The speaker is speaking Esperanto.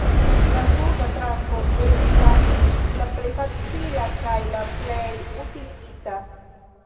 La suda trako estas la plej facila kaj la plej utiligita.